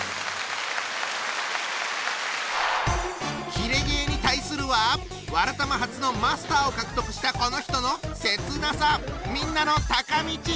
キレ芸に対するは「わらたま」初のマスターを獲得したこの人の切なさ！